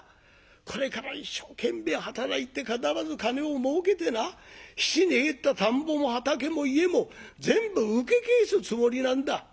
これから一生懸命働いて必ず金をもうけてな質に入った田んぼも畑も家も全部請け返すつもりなんだ。